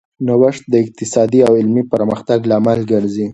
نوښت د اقتصادي او علمي پرمختګ لامل ګرځي.